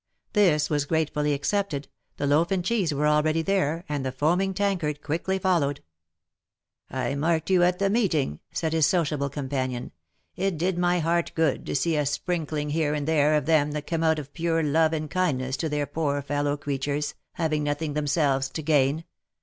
This was gratefully accepted, the loaf and cheese were already there, and the foaming tankard quickly fol lowed. " I marked you at the meeting," said his sociable companion. " It did my heart good to see a sprinkling here and there of them that come out of pure love and kindness to their poor fellow creatures, hav ing nothing themselves to gain.